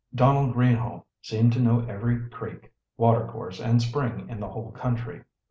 Donald Greenhaugh seemed to know every creek, water course, and spring in the whole country.